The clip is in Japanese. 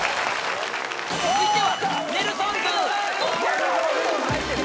［続いては］